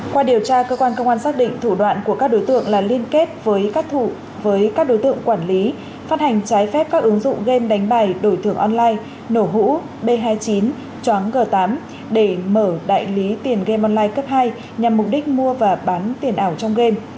qua điều tra cơ quan công an xác định thủ đoạn của các đối tượng là liên kết với các đối tượng quản lý phát hành trái phép các ứng dụng game đánh bài đổi thưởng online nổ hũ b hai mươi chín choáng g tám để mở đại lý tiền gam online cấp hai nhằm mục đích mua và bán tiền ảo trong game